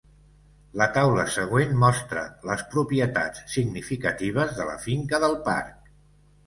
La taula següent mostra les propietats significatives de la finca del parc.